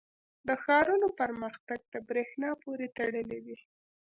• د ښارونو پرمختګ د برېښنا پورې تړلی دی.